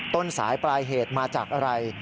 ต้นสายปลายเหตุมาจากอะไร